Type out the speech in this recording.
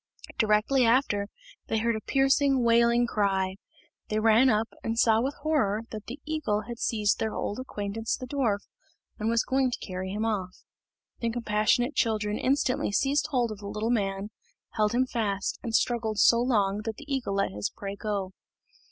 Directly after, they heard a piercing, wailing cry. They ran up, and saw with horror that the eagle had seized their old acquaintance the dwarf, and was going to carry him off. The compassionate children instantly seized hold of the little man, held him fast, and struggled so long that the eagle let his prey go.